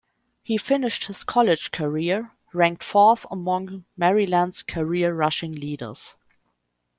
He finished his college career ranked fourth among Maryland's career rushing leaders.